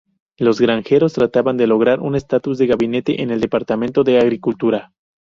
Los granjeros trataban de lograr un estatus de gabinete en el Departamento de Agricultura.